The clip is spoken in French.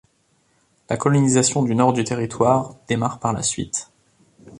La colonisation du nord du territoire démarre par la suite.